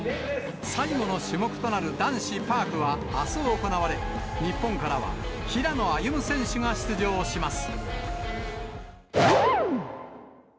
最後の種目となる男子パークはあす行われ、日本からは、平野歩夢選手が出場します。